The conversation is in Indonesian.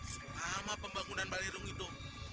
selama pembangunan balerung itu